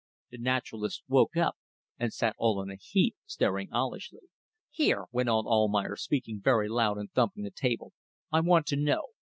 The naturalist woke up, and sat all in a heap, staring owlishly. "Here!" went on Almayer, speaking very loud and thumping the table, "I want to know.